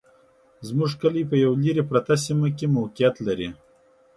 زموږ کلي په يوه لري پرته سيمه کي موقعيت لري